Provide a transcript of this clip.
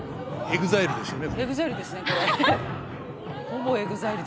ほぼＥＸＩＬＥですね。